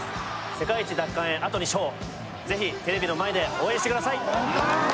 世界一奪還へあと２勝是非テレビの前で応援してください